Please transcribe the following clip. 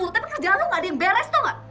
tapi kerja lo gak ada yang beres tau gak